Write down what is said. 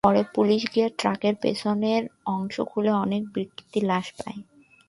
পরে পুলিশ গিয়ে ট্রাকের পেছনের অংশ খুলে অনেক বিকৃত লাশ পায়।